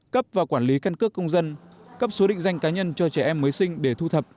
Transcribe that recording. cấp và quản lý căn cước công dân cấp số định danh cá nhân cho trẻ em mới sinh để thu thập